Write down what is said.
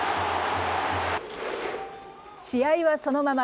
試合はそのまま、